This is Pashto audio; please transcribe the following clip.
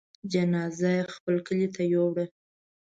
جنازه يې خپل کلي ته يووړه.